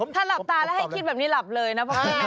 ถ้าหลับตาแล้วให้คิดแบบนี้หลับเลยนะพ่อ